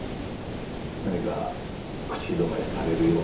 何か口止めされるような事が？